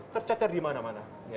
kercacar di mana mana